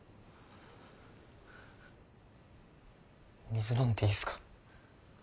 水飲んでいいっすか？